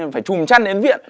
phải trùm chăn đến viện